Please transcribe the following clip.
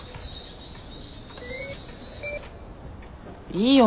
いいよ